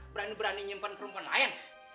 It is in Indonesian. berani berani nyimpan perempuan lain